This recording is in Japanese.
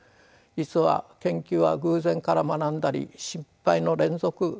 実は研究は偶然から学んだり失敗の連続なのです。